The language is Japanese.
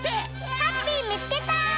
ハッピーみつけた！